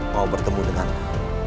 mau bertemu denganmu